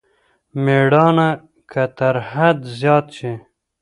مېړانه که تر حد زيات شي.